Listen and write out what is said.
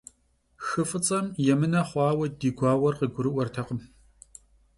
Xı f'ıts'em yêmıne xhuaue di guauer gurı'uertekhım.